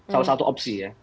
salah satu opsi ya